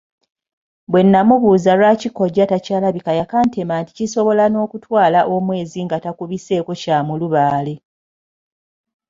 Bwe namubuuza lwaki kkojja takyalabika yakantema nti kisobola n'okutwala omwezi nga takubiseeko kya mulubaale.